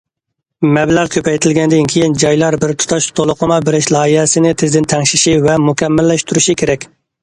مەبلەغ كۆپەيتىلگەندىن كېيىن، جايلار بىر تۇتاش تولۇقلىما بېرىش لايىھەسىنى تېزدىن تەڭشىشى ۋە مۇكەممەللەشتۈرۈشى كېرەك.